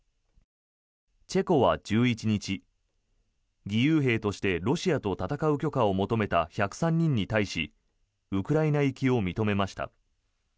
チェコは１１日、義勇兵としてロシアと戦う許可を求めた１０３人に対しウクライナ行きを認めました。